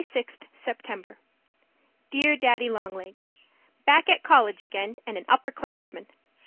26th September Dear Daddy Long Legs, Back at college again and an upper classman.